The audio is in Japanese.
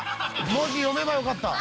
「文字読めばよかった」